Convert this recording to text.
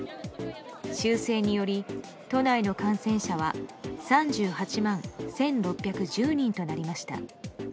修正により都内の感染者は３８万１６１０人となりました。